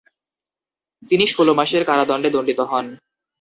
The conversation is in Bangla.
তিনি ষোল মাসের কারাদণ্ডে দণ্ডিত হন।